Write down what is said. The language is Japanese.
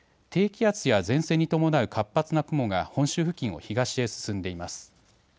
低気圧や前線に伴う活発な雲が本州付近を東へ進んでいます。